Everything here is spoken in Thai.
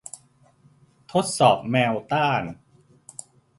ทดสอบแมวต้าน